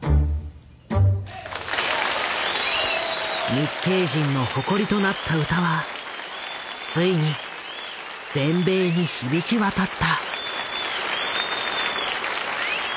日系人の誇りとなった歌はついに全米に響きわたった。